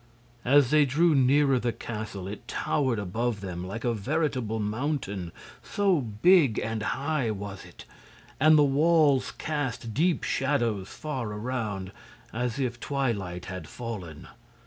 As they drew nearer the castle it towered above them like a veritable mountain, so big and high was it; and the walls cast deep shadows far around, as if twilight had fallen.